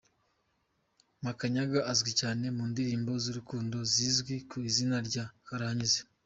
Makanyaga azwi cyane mu ndirimbo z’urukundo zizwi ku izina rya Karahanyuze.